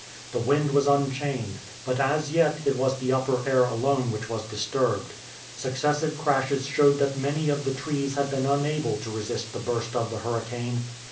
The wind was unchained, but as yet it was the upper air alone which was disturbed. Successive crashes showed that many of the trees had been unable to resist the burst of the hurricane.